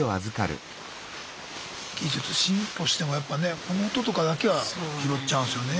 技術進歩してもやっぱねこの音とかだけは拾っちゃうんすよね。